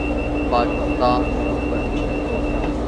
Pakistan super league